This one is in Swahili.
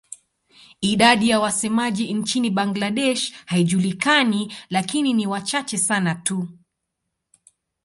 Idadi ya wasemaji nchini Bangladesh haijulikani lakini ni wachache sana tu.